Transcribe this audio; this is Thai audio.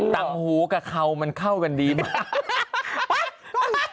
ต่างหูกับเขามันเข้ากันดีมาก